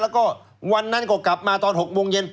แล้วก็วันนั้นก็กลับมาตอน๖โมงเย็น